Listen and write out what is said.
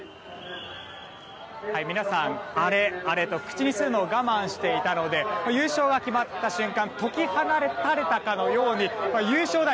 皆さんアレ、アレと口にするのを我慢していたので優勝が決まった瞬間解き放たれたかのように優勝だ！